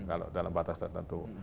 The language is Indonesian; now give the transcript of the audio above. kalau dalam batas tertentu